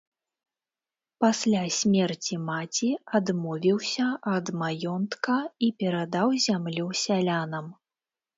Пасля смерці маці адмовіўся ад маёнтка і перадаў зямлю сялянам.